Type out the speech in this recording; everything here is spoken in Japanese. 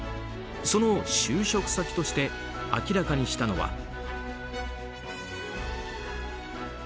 その就職先として明らかにしたのは。